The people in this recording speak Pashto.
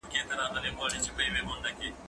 زه اوږده وخت لاس پرېولم وم؟